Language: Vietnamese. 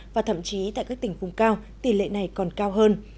và thậm chí tại các tỉnh vùng cao tỷ lệ này còn cao hơn